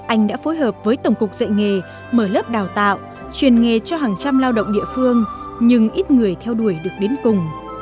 anh đã phối hợp với tổng cục dạy nghề mở lớp đào tạo truyền nghề cho hàng trăm lao động địa phương nhưng ít người theo đuổi được đến cùng